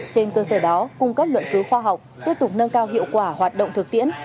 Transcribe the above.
trên cơ sở đó cung cấp luận cứu khoa học tiếp tục nâng cao hiệu quả hoạt động thực tiễn